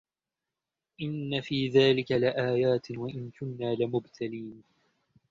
إن في ذلك لآيات وإن كنا لمبتلين